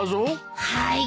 はい。